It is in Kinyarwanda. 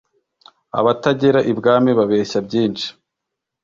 Abatagera I Bwami ,babeshya byinshi